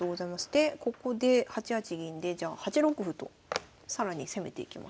でここで８八銀でじゃあ８六歩と更に攻めていきます。